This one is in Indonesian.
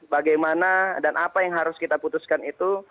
bagaimana dan apa yang harus kita putuskan itu